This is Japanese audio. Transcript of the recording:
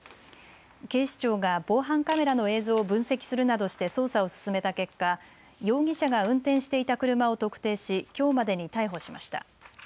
警視庁が防犯カメラの映像を分析するなどして捜査を進めた結果、容疑者が運転していた車を特定しきょうまでに逮捕しました。